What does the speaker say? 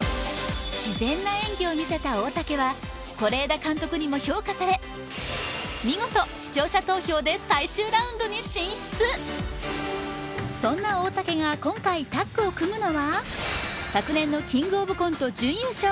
自然な演技を見せた大嵩は是枝監督にも評価され見事視聴者投票でそんな大嵩が今回タッグを組むのは昨年のキングオブコント準優勝